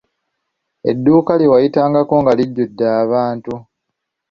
Edduuka lye wayitangako nga lijjudde abantu.